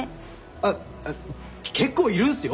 あっ結構いるんすよ？